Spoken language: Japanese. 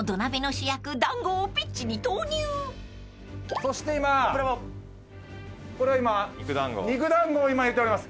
そして今これは今肉団子を入れております。